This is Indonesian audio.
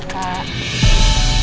kutung ke para baiknya